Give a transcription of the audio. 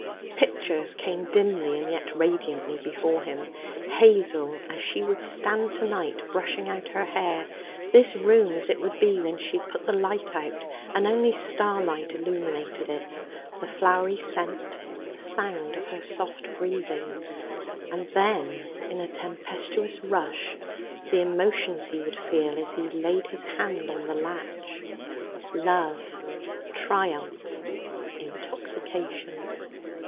Pictures came dimly and yet radiantly before him: Hazel as she would stand to night brushing out her hair; this room as it would be when she had put the light out and only starlight illuminated it; the flowery scent, the sound of her soft breathing; and then, in a tempestuous rush, the emotions he would feel as he laid his hand on the latch love, triumph, intoxication.